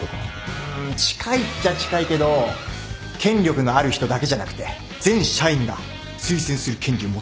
うーん近いっちゃ近いけど権力のある人だけじゃなくて全社員が推薦する権利を持ってる